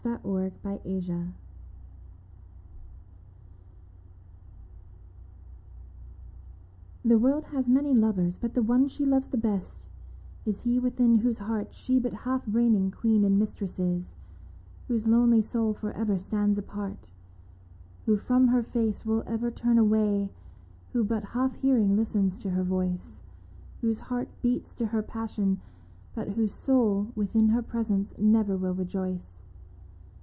THE LONE OF SOUL The world has many lovers, but the one She loves the best is he within whose heart She but half reigning queen and mistress is ; Whose lonely soul for ever stands apart, Who from her face will ever turn away, Who but half hearing listens to her voice, Whose heart beats to her passion, but whose soul Within her presence never will rejoice.